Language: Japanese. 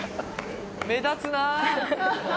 目立つなあ。